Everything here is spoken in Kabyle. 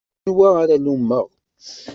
Anwa ara lummeɣ?